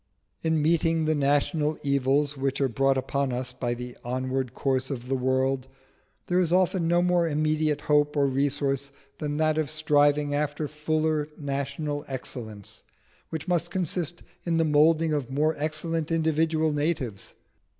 In meeting the national evils which are brought upon us by the onward course of the world, there is often no more immediate hope or resource than that of striving after fuller national excellence, which must consist in the moulding of more excellent individual natives.